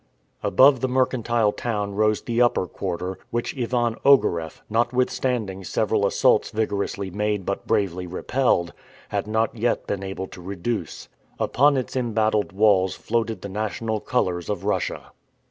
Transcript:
Above the mercantile town rose the upper quarter, which Ivan Ogareff, notwithstanding several assaults vigorously made but bravely repelled, had not yet been able to reduce. Upon its embattled walls floated the national colors of Russia.